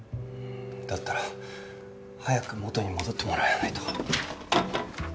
だったら早く元に戻ってもらわないと。